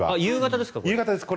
夕方ですか。